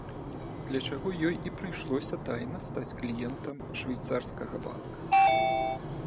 Для чаго ёй і прыйшлося тайна стаць кліентам швейцарскага банка.